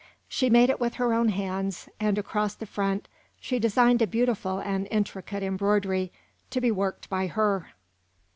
She made it with her own hands, and across the front she designed a beautiful and intricate embroidery, to be worked by her.